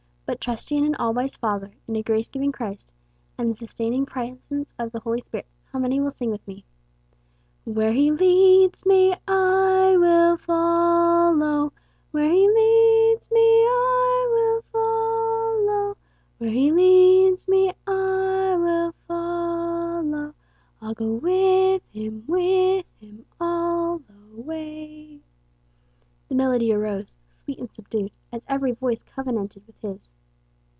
But trusting in an Allwise Father, in a grace giving Christ, and the sustaining presence of the Holy Spirit, how many will sing with me: [Illustration: Music "Where He leads me I will follow, Where He leads me I will follow, Where He leads me I will follow. I'll go with Him, with Him all the way."] The melody arose, sweet and subdued, as every voice covenanted with his.